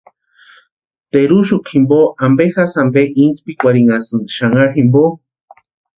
¿Teruxukwa jimpo ampe jasï ampe insïpikwarhinhasïni xanharu jimpo?